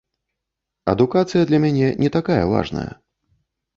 Адукацыя для мяне не такая важная.